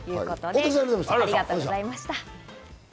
大竹さん、ありがとうございました。